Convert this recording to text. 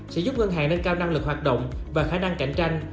sẽ giúp ngân hàng nâng cao năng lực hoạt động và khả năng cạnh tranh